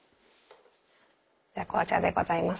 紅茶でございます。